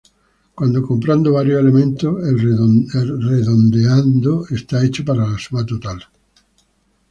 Cuándo comprando varios elementos, el redondeando está hecho para la suma total.